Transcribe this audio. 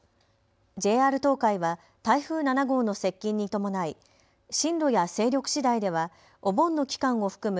ＪＲ東海は台風７号の接近に伴い進路や勢力しだいではお盆の期間を含む